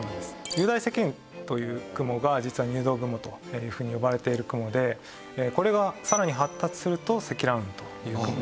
雄大積雲という雲が実は入道雲というふうに呼ばれている雲でこれがさらに発達すると積乱雲というふうになります。